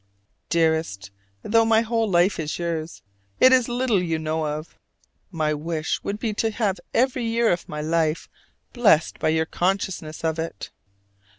Dearest, though my whole life is yours, it is little you know of it. My wish would be to have every year of my life blessed by your consciousness of it.